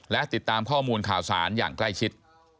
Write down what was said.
และติดตามข้อมูลข่าวสารอย่างใกล้ชิด